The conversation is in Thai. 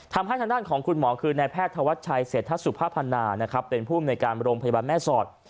ทำให้ทางด้านของคุณหมอคือนายแพทย์ธวัชชัยเสร็จทัศุภาพนาเป็นผู้ในการบรมพยาบาลแม่สอด